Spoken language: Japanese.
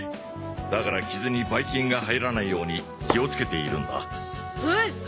だから傷にばい菌が入らないように気をつけているんだ。